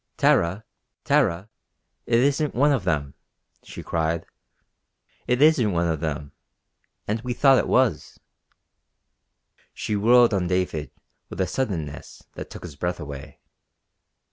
"Tara, Tara, it isn't one of them!" she cried. "It isn't one of them and we thought it was!" She whirled on David with a suddenness that took his breath away.